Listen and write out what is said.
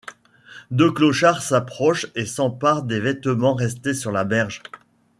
Deux clochards s'approchent et s'emparent des vêtements restés sur la berge.